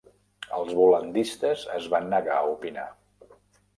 Els bol·landistes es van negar a opinar.